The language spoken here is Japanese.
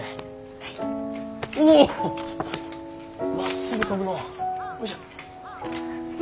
まっすぐ飛ぶのう。